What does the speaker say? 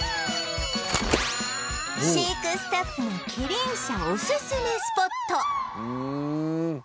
飼育スタッフのきりん舎おすすめスポット